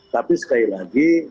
tapi sekali lagi